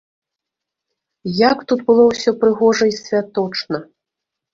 Як тут было ўсё прыгожа і святочна.